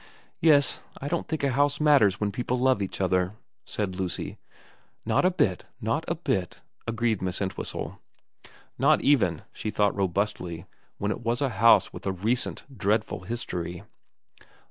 ' Yes, I don't think a house matters when people love each other/ said Lucy. * Not a bit. Not a bit,' agreed Miss Entwhistle. Not even, she thought robustly, when it was a house with a recent dreadful history.